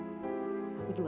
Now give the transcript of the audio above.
jadi aku penipu lu aja